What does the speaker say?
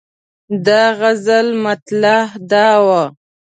د غزل مطلع دا وه.